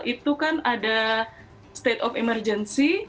itu kan ada state of emergency